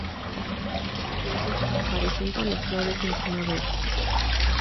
Las hojas aparecen con las flores en primavera.